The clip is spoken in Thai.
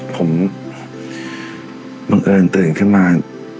ผมบังเอิญตื่นขึ้นมา